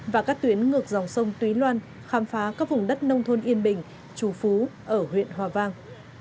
và các tuyến ngược dòng sông túy loan khám phá các vùng đất nông thôn yên bình trù phú ở huyện hòa vang